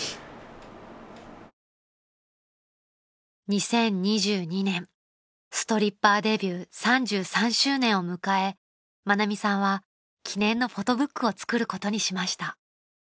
［２０２２年ストリッパーデビュー３３周年を迎え愛美さんは記念のフォトブックを作ることにしました］